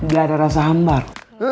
gak ada rasa hambar